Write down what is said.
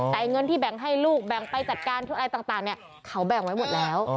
แต่เงินที่แบ่งให้ลูกแบ่งไปจัดการอะไรต่างเขาแบ่งไว้หมดแล้ว